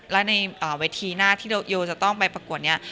และในเวทีหน้าที่โยจะต้องไปประกวดนี้